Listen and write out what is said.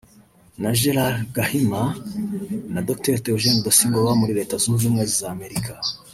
na Gerald Gahima na Dr Theogene Rudasingwa baba muri Leta Zunze Ubumwe z’Amerika